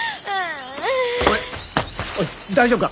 おい大丈夫か！？